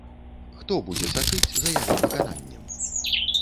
Хто будзе сачыць за яго выкананнем?